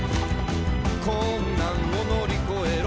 「困難をのりこえろ！」